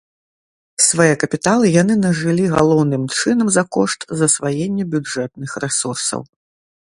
Свае капіталы яны нажылі галоўным чынам за кошт засваення бюджэтных рэсурсаў.